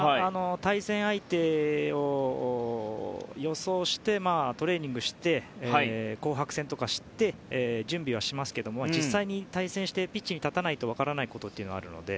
対戦相手を予想してトレーニングして紅白戦とかをして準備はしますけれども実際に対戦してピッチに立たないと分からないことがあるので。